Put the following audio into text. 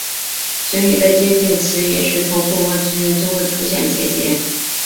雄鱼在接近雌鱼时头部和鳍上会出现结节。